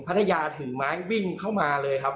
พัทยาถือไม้วิ่งเข้ามาเลยครับ